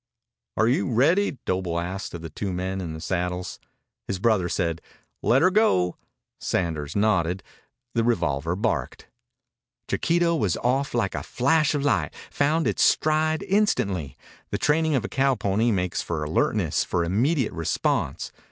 "Are you ready?" Doble asked of the two men in the saddles. His brother said, "Let 'er go!" Sanders nodded. The revolver barked. Chiquito was off like a flash of light, found its stride instantly. The training of a cowpony makes for alertness, for immediate response.